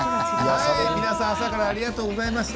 皆さん朝からありがとうございました。